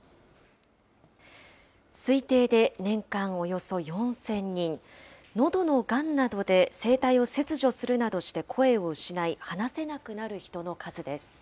推定で年間およそ４０００人。のどのがんなどで声帯を切除するなどして声を失い、話せなくなる人の数です。